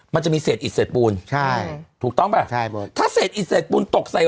มันจะมีเศษอิทเสดปูลใช่ถูกต้องป่ะถ้าเศษเสดปูลตกใส่